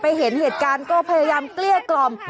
เห็นเหตุการณ์ก็พยายามเกลี้ยกล่อม